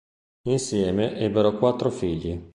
Insieme ebbero quattro figli.